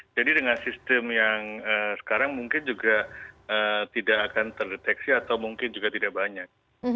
jadi dengan sistem yang sekarang mungkin juga tidak akan terdeteksi atau mungkin juga tidak banyak